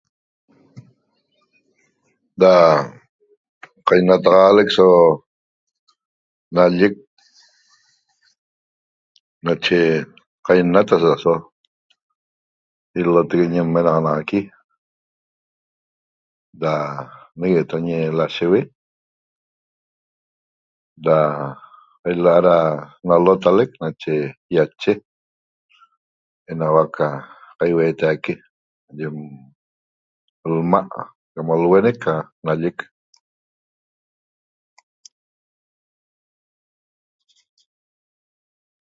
ra qainataxalec so nallec nache qainat asa aso ilotegue ñi nmenaxanaxaqui ra neguetoñe lasheue ra ila'a ra nalotalec nache iache enauac ca qaiuetaique yem lma' cam lhuenec ca nallec